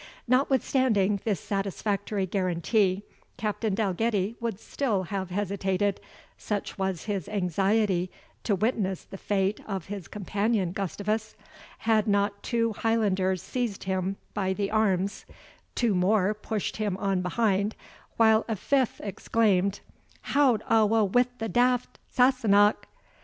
Notwithstanding this satisfactory guarantee, Captain Dalgetty would still have hesitated, such was his anxiety to witness the fate of his companion Gustavus, had not two Highlanders seized him by the arms, two more pushed him on behind, while a fifth exclaimed, "Hout awa wi' the daft Sassenach!